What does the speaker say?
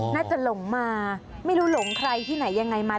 หลงมาไม่รู้หลงใครที่ไหนยังไงมา